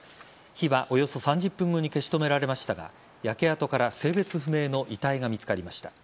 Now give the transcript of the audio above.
火はおよそ３０分後に消し止められましたが焼け跡から性別不明の遺体が見つかりました。